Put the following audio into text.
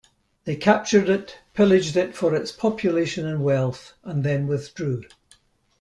They captured it, pillaged it for its population and wealth, and then withdrew.